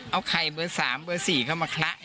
เอาไข่เบอร์๓เบอร์๔เข้ามาคละ